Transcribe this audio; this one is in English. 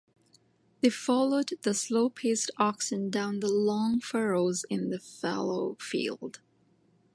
They followed the slow-paced oxen down the long furrows in the fallow field.